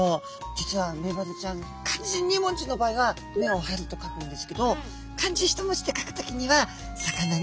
実はメバルちゃん漢字２文字の場合は「目を張る」と書くんですけど漢字１文字で書く時には「魚」に「休む」と書きます。